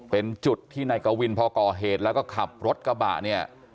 เป็นจุดที่นายกวินพอก่อเหตุแล้วก็ขับรถกระบะเนี่ย